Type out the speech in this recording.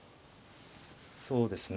そうですね。